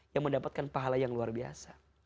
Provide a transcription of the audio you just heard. yang mendapatkan pahala yang luar biasa